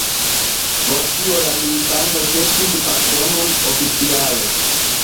Por tio la milicanoj petis pardonon oficiale.